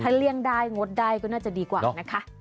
เลี่ยงได้งดได้ก็น่าจะดีกว่านะคะ